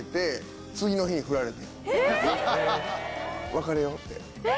別れようって。